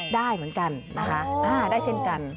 ได้เหมือนกันนะคะได้เช่นกัน